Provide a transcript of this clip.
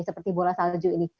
seperti bola salju ini